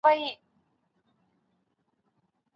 زما باڼه ګډوډ دي .